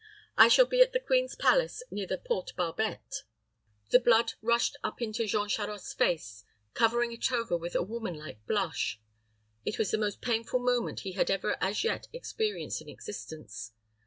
I shall be at the queen's palace, near the Porte Barbette." The blood rushed up into Jean Charost's face, covering it over with a woman like blush. It was the most painful moment he had ever as yet experienced in existence.